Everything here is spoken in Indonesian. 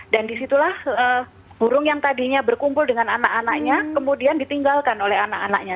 dan disitulah burung yang tadinya berkumpul dengan anak anaknya kemudian ditinggalkan oleh anak anaknya